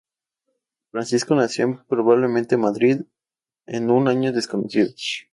Francisco nació en, probablemente, Madrid en un año desconocido.